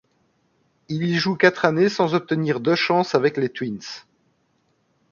Il y joue quatre années sans obtenir de chance avec les Twins.